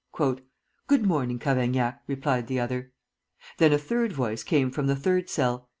"Good morning, Cavaignac," replied the other. Then a third voice came from the third cell.